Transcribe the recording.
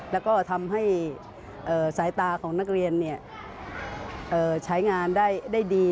แล้วก็ทำให้สายตาของนักเรียนใช้งานได้ดี